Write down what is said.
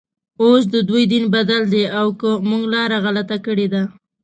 اوس ددوی دین بدل دی او که موږ لاره غلطه کړې ده.